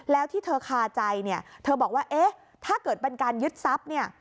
แล้วที่เธอคาใจเธอบอกว่าถ้าเกิดเป็นการยึดทรัพย์